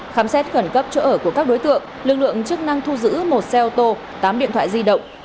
khám xét khẩn cấp chỗ ở của các đối tượng lực lượng chức năng thu giữ một xe ô tô tám điện thoại di động